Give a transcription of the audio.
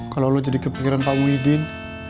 kalau lo jadi kepikiran pak muhyiddin